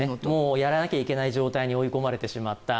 やらなきゃいけない状態に追い込まれてしまった。